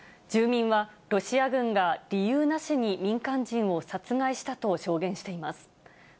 住民はロシア軍が理由なしに民間人を殺害したと証言しています。